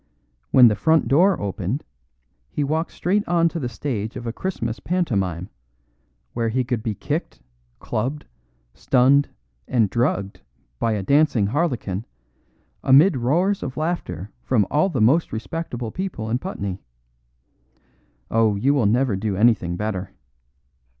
When the front door opened he walked straight on to the stage of a Christmas pantomime, where he could be kicked, clubbed, stunned and drugged by the dancing harlequin, amid roars of laughter from all the most respectable people in Putney. Oh, you will never do anything better.